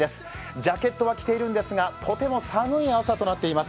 ジャケットは着ているんですが、とても寒い朝となっています。